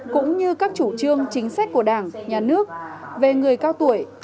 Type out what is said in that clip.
cũng như các chủ trương chính sách của đảng nhà nước về người cao tuổi